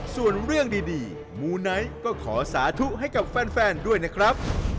ส่วนเรื่องดีมูไนท์ก็ขอสาธุให้กับแฟนด้วยนะครับ